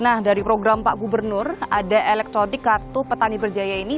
nah dari program pak gubernur ada elektronik kartu petani berjaya ini